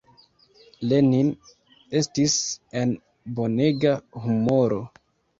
Lenin estis en bonega humoro.